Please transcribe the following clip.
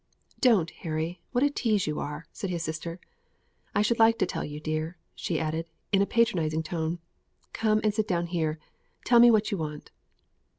"Don't, Harry; what a tease you are!" said his sister. "I should like to tell you, dear," she added, in a patronising tone. "Come and sit down here, and tell me what you want."